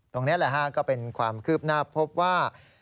ตรงนี้แหละฮะก็เป็นความคืบหน้าพบว่า